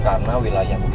karena wilayah penuh tuh